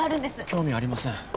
興味ありません